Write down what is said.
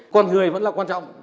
con người vẫn là quan trọng